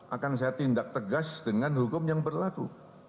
akan saya tindak tegas dengan hukum yang berlaku